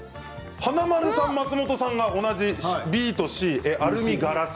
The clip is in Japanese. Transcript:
華丸さん、松本さんが同じＢとＣ、アルミとガラス。